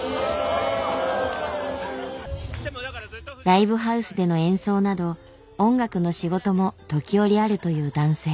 ライブハウスでの演奏など音楽の仕事も時折あるという男性。